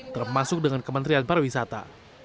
termasuk dengan kementerian pariwisata